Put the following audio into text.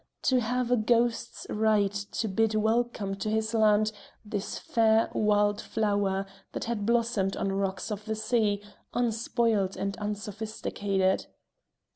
To have a host's right to bid welcome to his land this fair wild flower that had blossomed on rocks of the sea, unspoiled and unsophisticated!